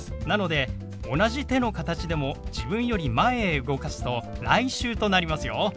なので同じ手の形でも自分より前へ動かすと「来週」となりますよ。